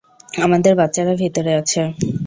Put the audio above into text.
আমাদের বাচ্চারা ভিতরে আছে!